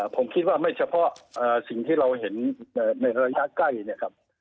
ผมคิดว่าไม่เฉพาะสิ่งที่เราเห็นในระยะใกล้เนี่ยครับ